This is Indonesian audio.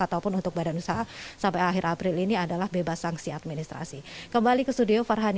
ataupun untuk badan usaha sampai akhir april ini adalah bebas sangsi